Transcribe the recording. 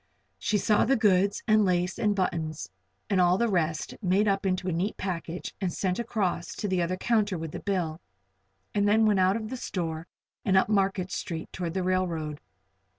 She saw the goods, and lace, and buttons, and all the rest, made up into a neat package and sent across to the other counter with the bill, and then went out of the store and up Market Street toward the railroad.